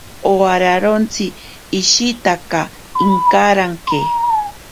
Owararontsi ashitaka inkaranke.